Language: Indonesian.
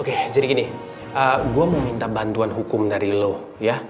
oke jadi gini gue meminta bantuan hukum dari lo ya